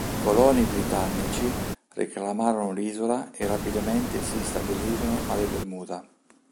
I coloni britannici reclamarono l'isola e rapidamente si stabilirono alle Bermuda.